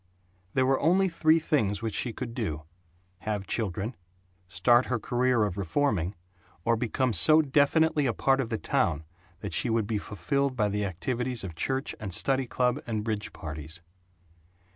There were only three things which she could do: Have children; start her career of reforming; or become so definitely a part of the town that she would be fulfilled by the activities of church and study club and bridge parties.